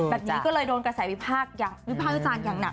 แบบนี้ก็เลยโดนกับสายวิพากษ์อย่างหนัก